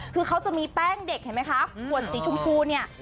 คือเค้าจะมีแป้งเด็กเห็นมั้ยคะหว่นตีชมพูเนี่ย